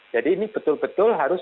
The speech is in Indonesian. jadi ini betul betul harus